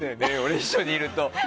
一緒にいると。